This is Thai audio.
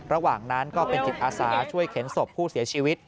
ระหว่างนั้นก็เป็นจิตอาสาช่วยเข็นศพผู้เสียชีวิต